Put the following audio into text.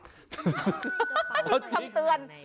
นี่คือคำเตือน